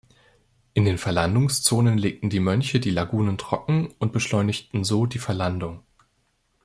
In den Verlandungszonen legten die Mönche die Lagunen trocken und beschleunigten so die Verlandung.